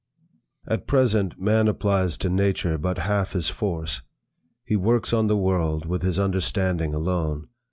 At present, man applies to nature but half his force. He works on the world with his understanding alone.